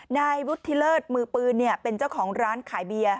นายวุฒิเลิศมือปืนเป็นเจ้าของร้านขายเบียร์